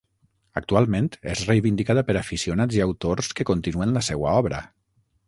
Actualment és reivindicada per aficionats i autors que continuen la seua obra.